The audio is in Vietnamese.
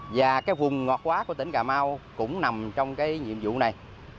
và cái vùng ngọt quá của tỉnh cà mau cũng nằm trong cái nhiệm vụ này